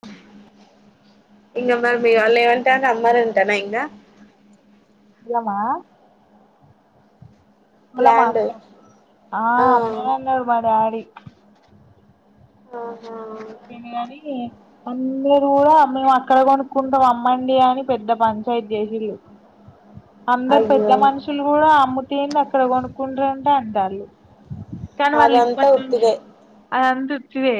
పత ఇంకామ మీ వాళ్ళు ఏమంటాంటన్ అమ్మయి ఉంటానా ఇంకా ఇరమా మల్ల ల్యాండ్ మాక్క ఆ అమ్మో అన్నడు మా డాడీ [unintelligible] ఆహా పోయినా కాగాని ఇందరు కూడా మేము అక్కడ కొనుక్కుంటాం అమ్మండి అని పెద్ద పంచాయతీ చేసీళ్ళు అందరు అయ్యో పెద్ద మనుషులు కూడా అమ్ముటిన్ది అక్కడ కొనుక్కుంటిరంట అంటన్లు కాని వాళ్ళు అదంతా ఇప్పటినుంచి ఉట్టిదే ఆన్ అనిపిస్తు టివే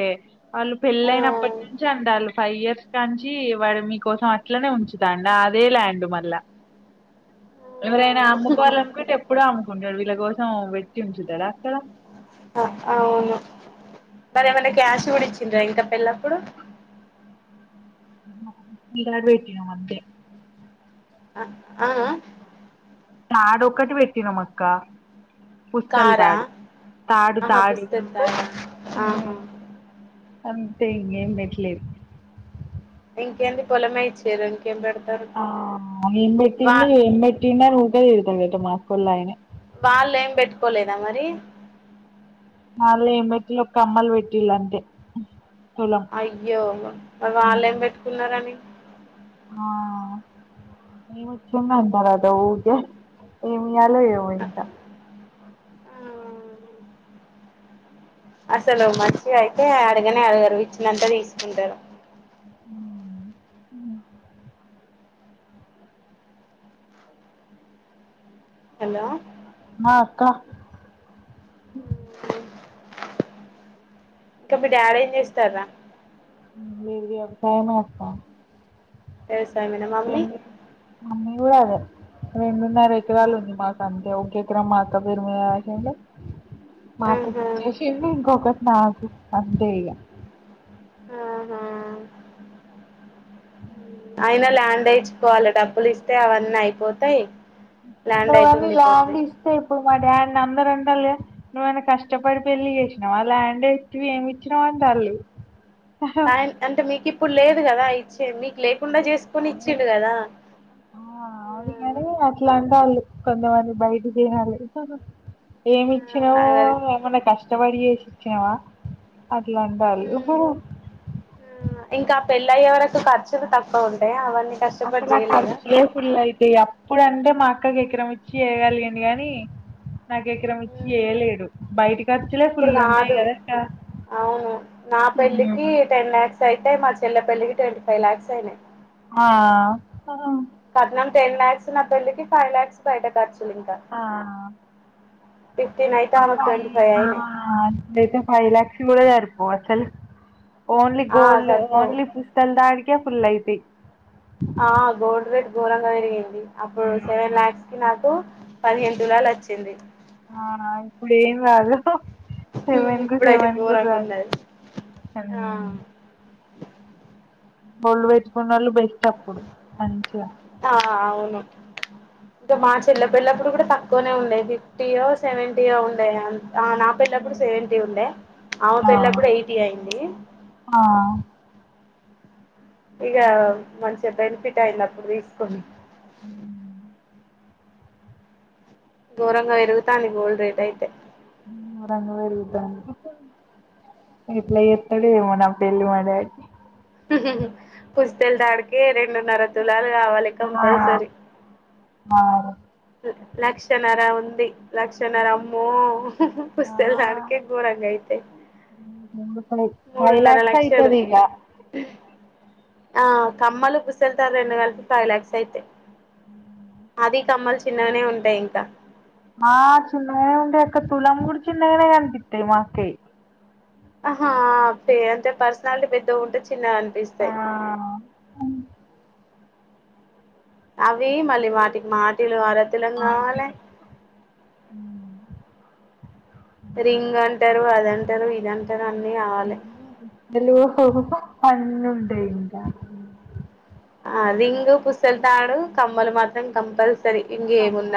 వాళ్ళు ఆ పెళ్ళేనపటినుంచి అంటలు ఫైవ్ ఇయర్స్ కాంచి వాడు మీకోసం అట్లనే ఉంచుదా అండి అదే ల్యాండ్ మళ్ళా ఎవరైనా అమ్ముకోవాలినుకుంటే ఎప్పుడో అమ్ముకుంటాడు వీళ్ళ కోసం వెట్టి ఉంచుతడ అక్కడ అవును మరి ఏమన్నా క్యాష్ కూడా ఇచ్చిండ ఇంకా పెల్లప్పుడు తాడు ఇచినము అంతే ఆ ఆ తడొక్కటి పెట్టినమూ అక్క పుస్తలు కారా తాడు తాడు ఆహా తాడు పుస్తక కారా ఆహా అంతే ఇంకేం పెట్లేదు ఇంకేంది పొలమే ఇచ్చార ఆ వా నింబెట్టింది ఎంబెట్టింది అని ఊకే తిడతాడు మా అక్క వాళ్ళాయన వాళ్ళ ఏం పెట్టుకోలేదా మరి వాళ్ళు ఏమి పెట్ల కమ్మలు పెట్టిలు అంతే తులం అయ్యో మరి వాళ్ళు ఏం పెట్టుకున్నారని హా మూసుకొని ఉండాలి ఏమో ఇక ఏమి చేయాలో ఏమో ఇక ఆ అసలు మంచి అయితే అడగనే అడగరు విచ్చినంత తీసుకుంటారు ఉ హలో ఆ అక్క ఇంక మీ డాడ్ ఏమి చేస్తారా వ్యవసాయమే అక్క వ్యవసాయమేన మమ్మీ అమ్మా ఇ్వ అద రెండున్నర ఎకరాలు ఉంది మాకు అంతే ఒక ఎకర మాకు ఇక్క పెరుమసిడి మా అత్త ఆహా ఇచ్చేసియండి ఇంకొకటి నాకు అంతే ఇగ అవునా లాగ్ దేయించుకోవాలి డబ్బులు ఇస్తే అవన్నీ అయిపోతాయి ల్యాండ్ అయితే ఎక్కడవన్నీ ఉండిపోద్ది ల్య్గేష్ టైప్ మా ల్యాండ్ అందరు అంటాల నువ్వైనా కష్టపడి పెళ్ళి చేసినావు ఆ ల్యాండ్ ఎ ఏమి ఇచ్చినావు అంట తల్లి ఆయ అంటే మీకు ఇప్పుడు లేదు కదా ఇచ్చే మీకు లేదు కుండా చేసుకుొని ఇచ్చిండు కదా కానీ అట్లా అంటారూ కొంతమంది బయట చేయాలి ఏమి ఆ, ఇచ్చినావో అదే. ఏమైన్నా కష్టపడి చేేసి ఇచ్చినావా అది లంచాలు ఉమ్. పెళ్ళ అయ్యే వరకు ఖర్చులు తక్కువ ఉంటాయి అవన్నీ కష్టపడి అసలు ఆ చేయలేదా ఖర్చులే ఫుల్ అయితేయి అప్పుడు అంటే మాకు అక్కకి ఎకరం ఇచ్చి చేయగలిగారు కాని నాకు ఎకరం ఇచ్చి ఉమ్. చేయలేడు బయటికి ఇప్పుడు కాదు అవును నా పెళ్ళికి టెన్ లాయాక్స్ అయితే మా చెలే పెళ్లికి ట్వంటీ ఫైవ్ ల్యాక్స్ అయినాయి ఆ కట్నం టెన్ లాక్స్ నా పెళ్ళికి ఫైవ్ లాక్స్ బయట ఖర్చులు ఇంకా ఆ ఫిఫ్టీన్ అయితే ఇప్పుడు ఆమెకు ట్వంటీ ఫైవ్ అయినాయి ఫైప్పుైతే ఫైవ్ లక్ చగా అ ఓన్లీ ఆ గోల్డ్ సరిపోవు ఓన్లీ పుస్తల్తడి ఫుల్ అయిది ఆ గోల్డ్ వేట్ ఘోరంగా పేరిగింది అప్పుడు సెవెన్ లాక్స్ కి నాకు పదిహేడు తులాలు వచ్చింది ఇప్పుడు ఏం రాదు ఉమ్, సెవెన్ కు ఇప్పుడైతే సేవెంగు ఘోరంగా రాదు ఉన్నది ఆ బళ్ళు పెట్టుకున్న వాళ్ళు బెస్ట్ అప్పుడు మంచిగా ఆ అవును ఇంకా మా చెల్ల పల్లప్పుడు కూడా తక్కువనే ఉండయి ఫిఫ్టీయో సెవెంటీయో ఉండయ అ ఆ నా పెల్లప్పుడు హ్మ్. సెవెంటీ ఉండే ఆమె ఆ పెల్లప్పుడు ఎయిటీ అయింది ఆ ఇక హుహు. మంచిగా బెనిఫిట్ అయిన్ది అప్పుడు తీసుకని హ ఘూరంగా పెరుగుతాన్ ది గోల్డ్ రేట్ అయితే ఘోరంగా పెరుగుతాంది ఏట్ల ఎతడో ఏమో నా పెళ్లి మా డాడీ పుస్తెలు దాడికి రెండున్నరతులు లాలు కావాలి ఆ కంపల్సరి మారు లక్ష నర ఉంది లక్షనర అమ్మో ఆ కుస్తెల్ ఆడ్కే గోరంగా అయితే అయితది ఫైవ్ లాక్స్ అయితది ఇగ ఆ కమ్మలు పుసెళ్తారు రెండు కలిపి ఫైవ్ లాక్స్ అయితయ్ అది కమ్మలు చిన్నగానే ఉంటాయి ఇంకా ఆ చిన్ననే ఉంటాయ్ అక్క తులమ్ గుడ చిన్నగానే గనిపిత్తయ్ మా కాయ్ ఆహా పే అంటే పర్సనాలిటీ పెద్దగా ఉంటే చిన్నగా ఆ అనిపిస్తాయి అవే మళ్ళీ మాటికి మాటిలు వర మాటిలు రింగ్ అంటారు అదంటారు ఇదంటారు అన్ని కావాలి ఎలో అన్నుంటాయ్ ఇగ ఆ రింగు పుస్తలు తాడు కమ్మలు మాత్రం కంపల్స్ కవ్ నా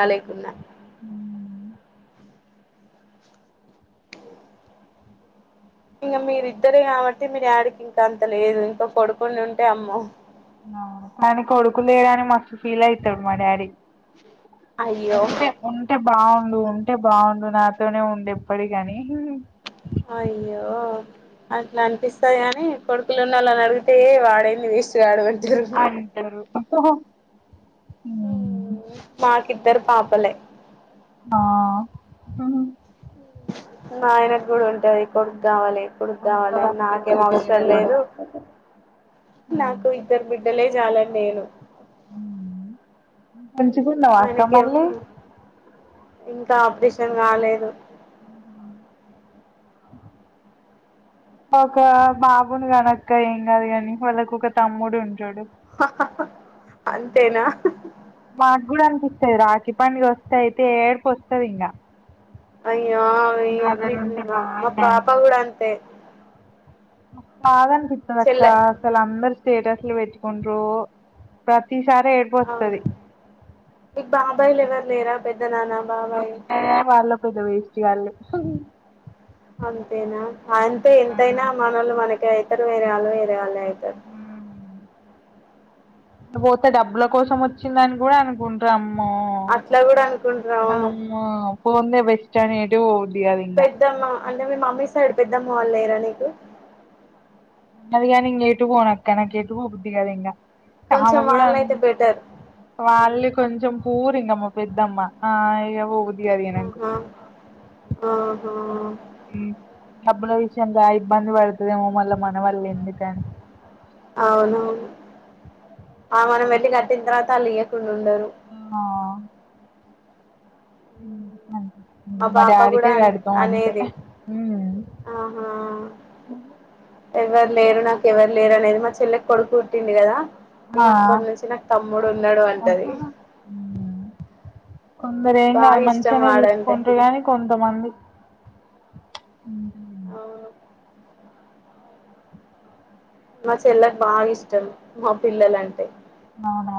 ఇంకా మీరిద్దరే కాబట్టి మీ డాడికి ఇంకా అంత లేదు ఇంకో కొడుకు ఉంటే అమ్మో అని కొడుకు లేడని మస్తు ఫీల్ అయితడు మా డాడీ అయ్యో ఉంటే ఉంటే బాగుండు ఉంటే బావుండు నాతోనే ఉండు ఎప్పటి కి అని అయ్యో అట్లా అనిపిస్తాది గాని కొడుకులు ఉన్న అలాని అడిగితే వాడైన్ది వేస్ట్ గాడు అంటారు అంటారు ఒహో మాకి ఇద్దరు పాపలే ఆ మా ఆయనకు కూడా ఉంటాది కొడుకు కావాలి కొడుకు కాావాలని ఉంటదక్క నాకేం ఎవరికైనా అవసరం కూడా లేదు నాకు ఇద్దరు బిడ్డలే చాలనీ నేను మంచిగున్నావ అక్క ఆయనకేమో మళ్ళీ ఇంకా అప్టిషన్ కాలేదు అ ఓక్ అంతేనా మాకు కూడా అనిపిస్తది రాకిీ పండుగ వస్తే అయితే ఏడుపు వస్తది ఇంగా అయ్యో ఆమె ఇడ్లీ తినదు మా పాప బాగుండని కూడా అంతే నాక్ బాగ అనిపిత్తది అక్క చెల్లె అసలు అందరు స్టేటస్లు పెట్టుకుంట్రు ప్రతి అవును మీకు బాబాయ్లు ఎవరు లేరా పెద్ద నాన్న బాబాయ్ వాళ్ళ పెద్ద వేస్ట్ గాళ్ళు అంతేనా అంతే ఆ ఎంతైనా మనోళ్లు మనకే అయితారు వేరే వాళ్ళు వేరే వాలే అయితరు పోతే డబ్బుల కోసం వచ్చిందని కూడా అనుకుంట్రమ్ మొ అట్లా కూడా అనుకుంటారు అవును అమో పొందే బెస్ట్ ఎట్టు పోబుది కాదు ఇంగ పెద్దమ్మ అంటే మీ మమ్మీ సైడ్ పెద్దమ్మ వాళ్ళు లేరా నీకు అదిగాని ఇంగ ఎటుపోనక్క నాకేేటు పోబుది కాదు ఇంగ ఆమె కొంచెం కూడా వాళ్ళయితే బెటర్ హ్మ్. వాళ్ళు కొంచెం పూర్ అమ్మ పెద్దమ్మా ఇగ పోబుది కాదు ఇగ నాకు ఆహా ఆహా డబ్బుల విషయంలో ఇబ్బంది పడతదేమో మళ్ళ మన వల్ళెందుకని అవును ఆ మనం ఎళ్ళి కట్టిన తర్వాత అళ్ళు ఇయ్యకుం ఆ ఎందుకు మా పాప కూడా డాడీకే అన్ కడతం అంతే అనేది ఆహా ఎవరు లేరు నాకు ఎవరు లేరు అనేది మా చెల్లకి కొడుకు పుట్టిండు కదా ఇంగ ఆ అప్పటి నుంచి నాకు తమ్ముడు ఉన్నాడు అంటది ఆహా. ఉమ్. కొందరు హ్మ్. ఏం కాదు బాగా ఇష్టం మంచిగానే వాడంటే చూసుకుంటారు కానీ కొంతమంది ఇంకా. అవును మా చెల్లకి బాగా ఇష్టం మా పిల్లలంటే అవునా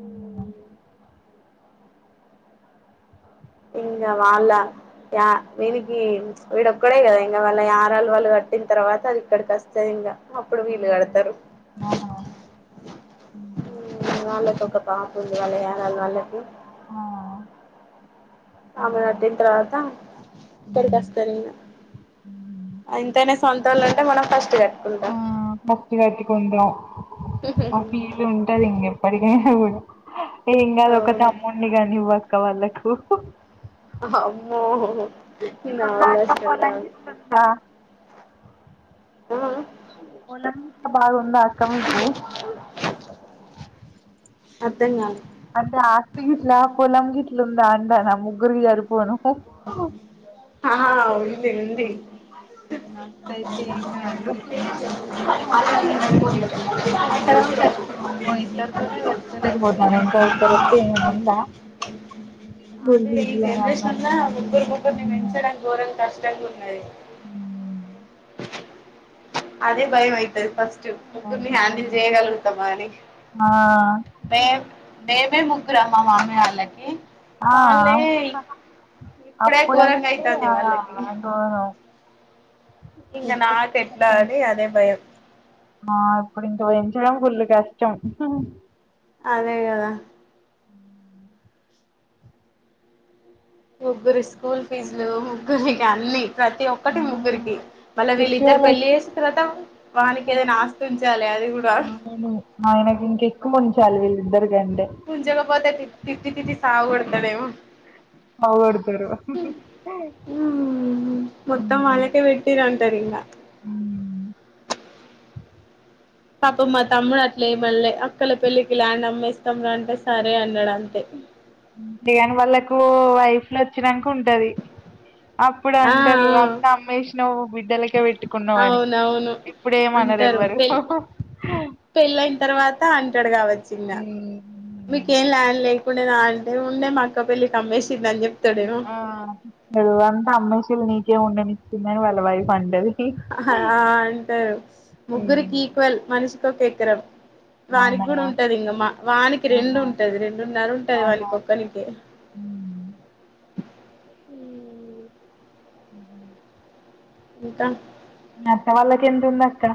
ఉమ్. ఇంగ వాళ్ళ యా వీనికి వీడొక్కడే కదా ఇంగ వాళ్ళ యరాల వాళ్ళు కట్టిన తర్వాత అది ఇక్కడికి అస్తది ఇంగ అప్పుడు వీలు అవునా? కడతరు ఆహా ఉమ్. హ్మ్ వాళ్ళకు ఒక పాప ఉంది వాళ్ళ యారల వాళ్లకి ఆ ఆమె ఉహు. కటిన తర్వాత ఇక్కడికి ఉమ్. అస్తారు ఇంగ ఉమ్. ఎంతైన సొంతోలంటే మనం ఫస్ట్ గట్ హ్మ్ ఫస్ట్ కట్టుకుంటాం ఆ ఫీలు ఉంటది ఇంగ ఎప్పటికైనా కూడా ఏం కాదు ఒక అవును తమ్ముడిని కనివ్వక్క వాళ్ళకు అమ్మో మీకున్న నావల్ల అక్క అస్సలు పొలం గిట్లుందా కాదు పొలం బాగా ఉందా అక్క మీకు అర్థం కాలే అంటే ఆస్తి గిట్లా పొలం గిట్లుందా అంటానా ముగ్గురికి సరిపోను ఆ ఉంది ఉంది నాకైతే ఏం కాదు అది చానా కష్టం అమ్మో ఇద్దరితోనే తట్టుకోలేక పోతాన్నా ఇంకా ఒక్కరొతే ఏమైనా ఉందా స్కూల్ అదే ఈ ఫీజులు అని అవ్వని జనరేషన్ లా ముగ్గురు ఇవ్వని ముగ్గురిని పెంచడం గోరంగ కష్టంగ ఉన్నది ఊ అదే భయం అయితది ఫస్ ముగ్గురిని అవునే హ్యాండిల్ భయం చెయ్యగలుగుతామా అని ఆ మేం నే మేం ముగ్గురా మా మమ్మి వాళ్ళకి ఆ వాళ్ళే ఆ ఇప్పుడే ఘోరంగా అప్పుడంటే అయితంది ఆ వాళ్ళకి గౌర ఆ ఇంగ ఇప్పుడు నాకు ఎట్లా అని అదే భయం [inaudible] చడం ఫుల్లు కష్టం అదే గదా ముగ్గురి స్కూల్ ఫీజులు ముగ్గురికి అన్లీ ప్రతి ఒక్కటి ముగ్గురికి మళ్ళా వీళ్ళిద్దరు ఫెస్టివల్ పెళ్లి వస్తే చేసి తర్వాత వాళ్ళికి ఏదైనా ఆస్ధుంచాలె ఆయనకి ఇంక ఎక్కువ ఉంచాలి విల్ జగపాత తి తిట్టి తిట్టి సావగొడతాడేమో మా ఓడిపేరు ఊ టర్ ఇంగా ఊ పాపం మా తమ్ముడు అట్లే ఏం అన్లే అక్కల పెళ్ళికి ల్యాండ్ అమ్మేస్తాం రా అంటే సరే అన్నాడు అంతే లే గాని వాళ్ళకు వైఫ్ లచ్చినంక ఉంటది అప్పుడు ఆ అంటారు అంతా అమ్మేషినవ్ బిడ్డలకే పెట్ అవునవును అంటారు ఎవ్వరు పెళ్ పెళ్ళయిన తర్వాత అంటాడు గావచ్చు ఇంగ మీకేం ల్యాండ్ లే ఉండెనా అంటే ఉండే మా అక్క పెళ్లికి అమ్మేషిండని చె ఆ నువ్వంతా అమ్మేషిర్రు నీకేం ఉండనిత్తున్నరు వాళ్ళ వైఫ్ అంటది హా అంటారు ముగ్గురికీ ఈక్వల్ మనిషికి ఒక ఎకరం వానికి అవునా కూడా ఉంటది ఇంగ మా వానికి రెండు ఆహా ఉంటది రెండున్న ఉంటది వానికి ఒక్కనికే ఊ ఊ అ ఇత్త అత్త వాళ్ళకి ఎంతుంది అక్క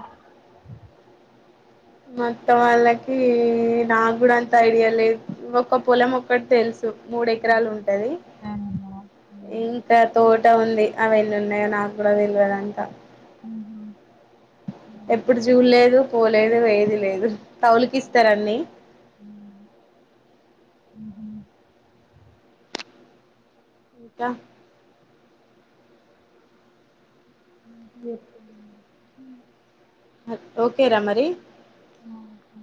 మా అత్త వాళ్ళకి నాకు కూడా అంత ఐడియా లే ఒక్క పొలం ఒక్కటి తెలుసు మూడు ఎకరాలు ఉంటది అవునా ఇంక తోట ఉంది అవి ఎన్ని ఉన్నాయో నాకు కూడా తెల్వదంతా ఎప్పుడూ చూడలేదు పోలేదు వెయ్యేది లేదు కౌలుకిస్తారు అన్నీ అ ఇంకా ఉ ఓకే రా మరి ఆఓ